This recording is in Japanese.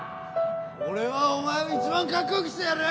俺はお前を一番カッコ良くしてやる！